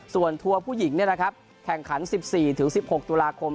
ส่วนทัวร์ผู้หญิงเนี่ยนะครับแข่งขันสิบสี่ถึงสิบหกตุลาคม